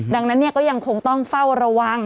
ดังนั้นก็ยังคงต้องเฝ้าระวัง